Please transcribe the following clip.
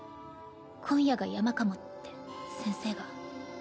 今夜が山かもって先生が。